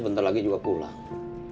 bentar lagi juga pulang